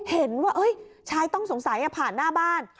เห็นว่าชายต้องสงสัยผ่านหน้าบ้าน